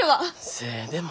せえでも。